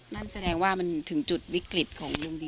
นั่นแสดงว่ามันถึงจุดวิกฤตของลุงพล